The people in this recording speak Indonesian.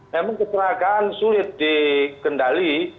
memang kecelakaan sulit dikendali